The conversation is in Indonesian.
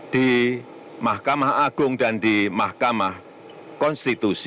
di mahkamah agung dan di mahkamah konstitusi